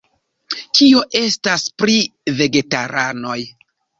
Kio estas pri vegetaranoj?